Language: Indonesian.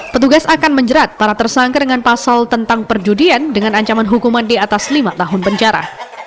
petugas akan menjerat para tersangka dengan pasal tentang perjudian dengan ancaman hukuman di atas lima tahun penjara